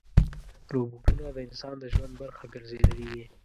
روبوټونه د انسان د ژوند برخه ګرځېدلي دي.